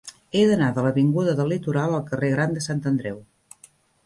He d'anar de l'avinguda del Litoral al carrer Gran de Sant Andreu.